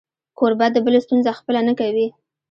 کوربه د بل ستونزه خپله نه کوي.